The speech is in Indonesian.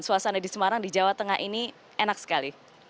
suasana di semarang di jawa tengah ini enak sekali